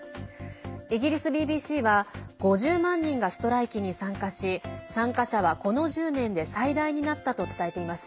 イギリスＢＢＣは５０万人がストライキに参加し参加者は、この１０年で最大になったと伝えています。